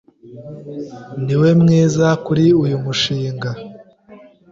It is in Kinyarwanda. Niwe mwiza kuri uyu mushinga.